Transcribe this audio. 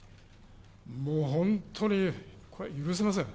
もう本当にこれは許せません。